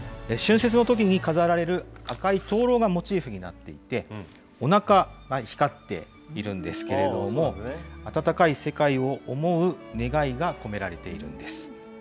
春節のときに飾られる赤い灯籠がモチーフになっていて、おなかが光っているんですけれども、温かい世界を思う願いが込められているんです。